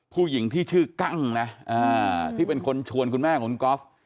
ผู้หญิงที่ชื่อกั้งนะที่เป็นคนชวนคุณแม่ของคุณก๊อฟ